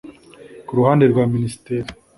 Ku ruhande rwa Minisiteri